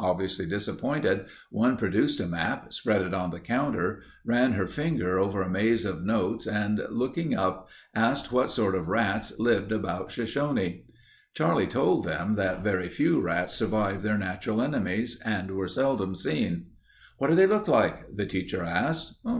Obviously disappointed, one produced a map, spread it on the counter, ran her finger over a maze of notes and looking up asked what sort of rats lived about Shoshone. Charlie told them that very few rats survived their natural enemies and were seldom seen. "What do they look like?" the teacher asked.